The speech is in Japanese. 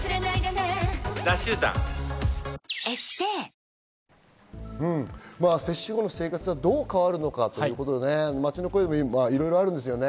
いろいろなところに接種後の生活はどう変わるのかということで街の声がいろいろあるんですよね。